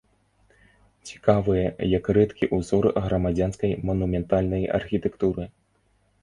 Цікавыя як рэдкі ўзор грамадзянскай манументальнай архітэктуры.